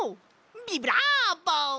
ビブラボ！